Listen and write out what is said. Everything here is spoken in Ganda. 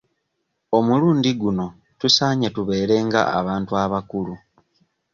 Omulundi guno tusaanye tubeera nga abantu abakulu.